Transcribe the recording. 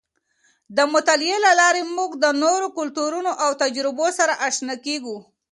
د مطالعې له لارې موږ د نورو کلتورونو او تجربو سره اشنا کېږو.